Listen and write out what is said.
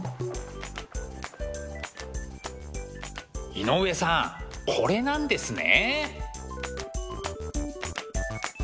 井上さんこれなんですね。